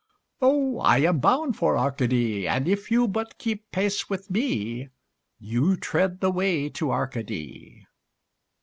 Oh, I am bound for Arcady, And if you but keep pace with me You tread the way to Arcady.